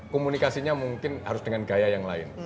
komunikasinya mungkin harus dengan gaya yang lain